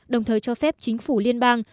đồng thời cho phép chính phủ liên bang